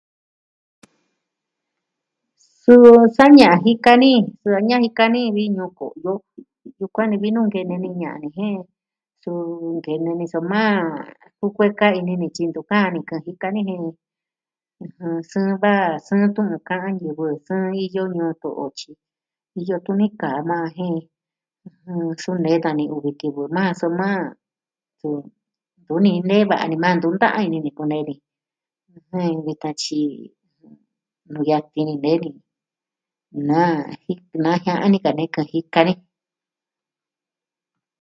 Su sa ña'a jika ni su ña'a nika ni vi Ñuu ko'yo vi nkene ni ña'a ni jen su nkene ni soma kukueka ini ni tyi ntu kaa kɨ'ɨn ni jika ni ɨjɨn... su'va sɨɨn tɨɨn kaa ñivɨ su niyo ñuu to'o tyi iyo tuni kaa na jen ɨjɨn xu'un nee dani uvi kivɨ maa soma, su, ntu ni nee dani maa ntu ta'an ini ni kunee ni ɨjɨn... vi tatyi nuu yatin nee ni, na... naa jia'a ni kaa nee kaa jika ni.